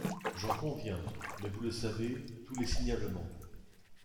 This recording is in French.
J’en conviens, mais vous le savez, tous les signalements. ..